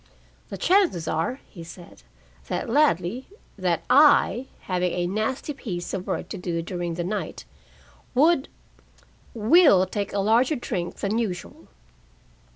"The chances are," he said, "that Ladley that I having a nasty piece of work to do during the night, would will take a larger drink than usual."